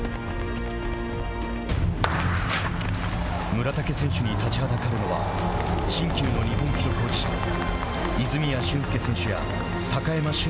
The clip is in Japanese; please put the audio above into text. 村竹選手に立ちはだかるのは新旧の日本記録保持者泉谷駿介選手や高山峻野選